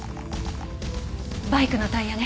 バイクのタイヤね。